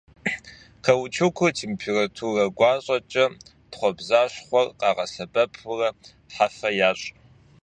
Каучукыр температурэ гуащӏэкӏэ тхъуэбзащхъуэр къагъэсэбэпурэ хьэфэ ящӏ.